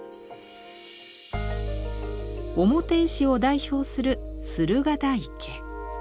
「表絵師」を代表する「駿河台家」。